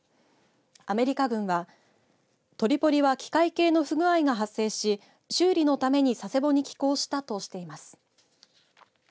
アメリカ軍はトリポリは機械系の不具合が発生し修理のために佐世保に寄港したとしています。